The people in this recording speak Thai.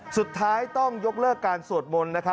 สุดท้ายต้องยกเลิกการสวดมนต์